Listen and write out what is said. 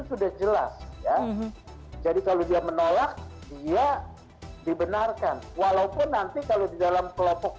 sudah jelas ya jadi kalau dia menolak dia dibenarkan walaupun nanti kalau di dalam kelompok